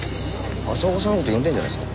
朝岡さんの事呼んでるんじゃないですか？